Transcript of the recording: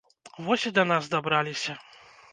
Вось і да нас дабраліся.